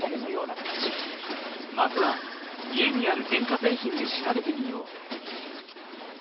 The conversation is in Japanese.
まずは家にある電化せいひんで調べてみよう。